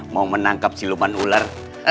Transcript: mau menangkap siluman ular